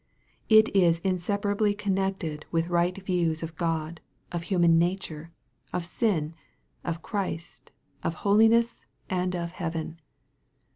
It is inseparably connected with right views of God, of human nature, of sin, of Christ, of holiness, and of heaven.